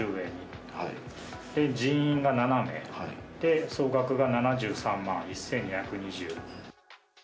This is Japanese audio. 人員が７名で総額が７３万１２２０円。